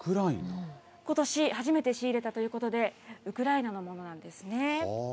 ことし初めて仕入れたということで、ウクライナのものなんですね。